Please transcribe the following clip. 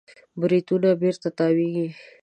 بریتونونه بېرته تاوېږي.